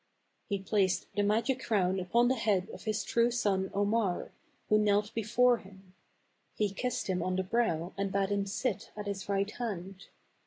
He placed the magic crown upon the head of his true son Omar, who knelt before him. He kissed him on the brow a,nd bade him sit at his right hand.